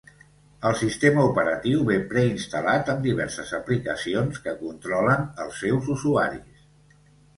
El sistema operatiu ve preinstal·lat amb diverses aplicacions que controlen els seus usuaris.